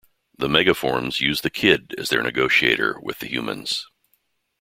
The Megaforms use the Kid as their negotiator with the humans.